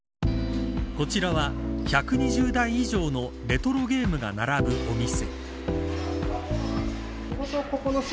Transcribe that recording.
こちらは、１２０台以上のレトロゲームが並ぶお店。